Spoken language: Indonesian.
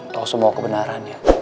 tahu semua kebenaran ya